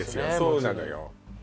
そうなのよ